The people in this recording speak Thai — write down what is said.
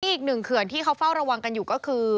อีกหนึ่งเขื่อนที่เขาเฝ้าระวังกันอยู่ก็คือ